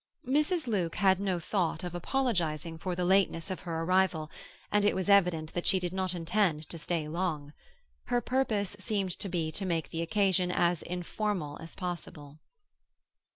Mrs. Luke had no thought of apologizing for the lateness of her arrival, and it was evident that she did not intend to stay long. Her purpose seemed to be to make the occasion as informal as possible.